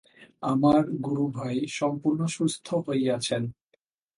আমার গুরুভাই সম্পূর্ণ সুস্থ হইয়াছেন।